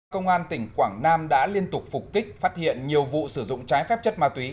công an tỉnh quảng nam đã liên tục phục kích phát hiện nhiều vụ sử dụng trái phép chất ma túy